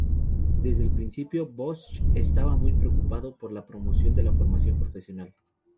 Desde el principio, Bosch estaba muy preocupado por la promoción de la formación profesional.